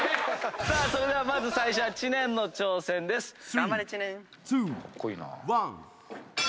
それではまず最初は知念の挑戦です。